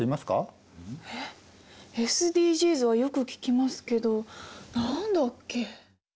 えっＳＤＧｓはよく聞きますけど何だっけ？